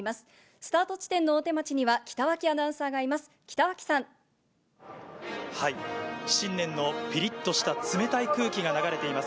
スタート地点の大手町には北脇アナウンサーがいます。